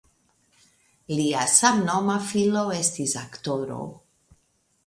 Lia samnoma filo estis aktoro.